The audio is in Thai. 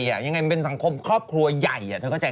อย่างไรมันสังคมครอบครัวใหญ่